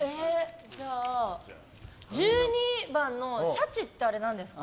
じゃあ、１２番のシャチってなんですか？